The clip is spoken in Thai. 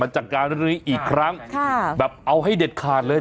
จัดการเรื่องนี้อีกครั้งแบบเอาให้เด็ดขาดเลย